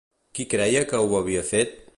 Qui creia que ho havia fet?